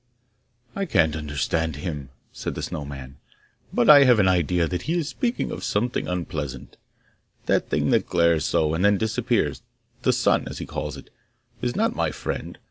'I can't understand him,' said the Snow man; 'but I have an idea that he is speaking of something unpleasant. That thing that glares so, and then disappears, the sun, as he calls it, is not my friend.